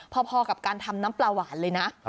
พอกับการทำน้ำปลาหวานเลยนะ